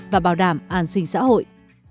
và bảo đảm an sinh xã hội